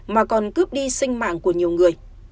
mà còn cướp đi sinh mạng của nhiều người